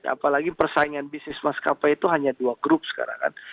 apalagi persaingan bisnis maskapai itu hanya dua grup sekarang kan